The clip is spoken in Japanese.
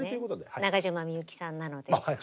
中島みゆきさんなので。